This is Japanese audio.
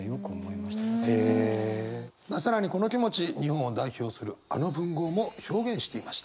まあ更にこの気持ち日本を代表するあの文豪も表現していました。